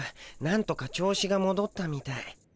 なんとか調子がもどったみたい。